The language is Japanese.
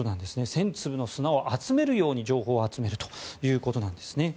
千粒の砂を集めるように情報を集めるということなんですね。